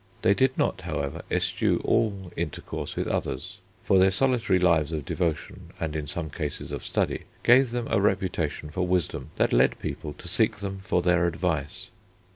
They did not, however, eschew all intercourse with others, for their solitary lives of devotion, and in some cases of study, gave them a reputation for wisdom that led people to seek them for their advice.